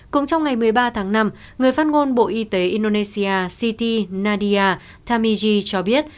cũng trong ngày một mươi ba tháng năm người phát ngôn bộ y tế indonesia city nadia thammiji cho biết